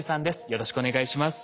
よろしくお願いします。